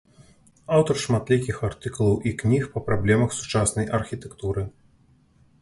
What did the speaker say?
Аўтар шматлікіх артыкулаў і кніг па праблемах сучаснай архітэктуры.